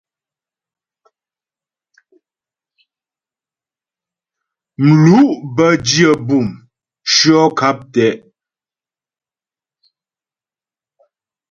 Mlu' bə́ dyə bûm tʉɔ̂ nkap tɛ'.